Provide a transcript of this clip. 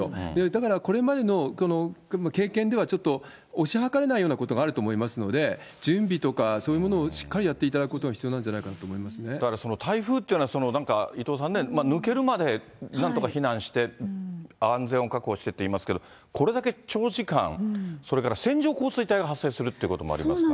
だからこれまでの経験では、ちょっと推し量れないようなことがあると思いますので、準備とか、そういうものをしっかりやっていただくことが必要なんじゃないかだからその台風っていうのはなんか伊藤さんね、抜けるまでなんとか避難して、安全を確保してっていいますけど、これだけ長時間、それから線状降水帯が発生するってこともありますから。